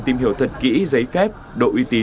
dự trị dự trị dự trị dự trị dự trị